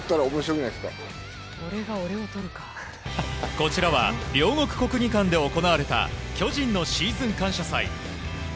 こちらは両国国技館で行われた巨人のシーズン感謝祭。